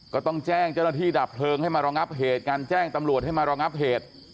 ก็ต้องแจ้งเจ้าหน้าที่ดับเพลิงให้มารองับเหตุการแจ้งตำรวจให้มารองับเหตุ